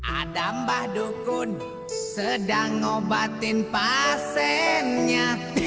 ada mbah dukun sedang ngobatin pasiennya